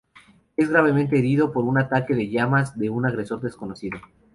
Es gravemente herido por un ataque de llamas de un agresor desconocido.